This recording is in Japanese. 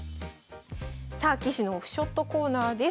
さあ棋士のオフショットコーナーです。